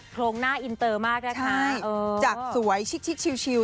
โครงหน้าอินเตอร์มากนะคะใช่เออจากสวยชิดชิดชิวชิว